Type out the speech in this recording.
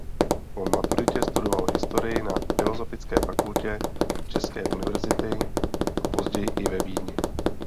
Po maturitě studoval historii na Filozofické fakultě české univerzity a později i ve Vídni.